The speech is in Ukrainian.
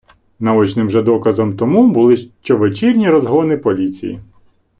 Наочним же доказом тому були щовечірні розгони поліції.